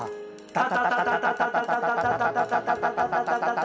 タタタタ。